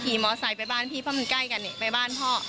มอไซค์ไปบ้านพี่เพราะมันใกล้กันเนี่ยไปบ้านพ่อ